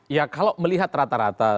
ya kalau melihat rata rata